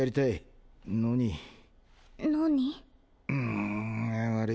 ん悪い。